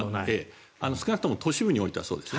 少なくとも都市部においてはそうです。